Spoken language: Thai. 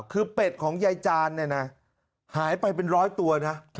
คือเป็ดของยายจานเนี่ยนะหายไปเป็นร้อยตัวนะ